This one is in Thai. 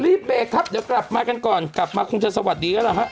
รีบเบกครับเดี๋ยวกลับมากันก่อนกลับมาคงจะสวัสดีครับครับ